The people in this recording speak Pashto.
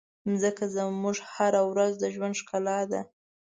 مځکه زموږ هره ورځ د ژوند ښکلا ده.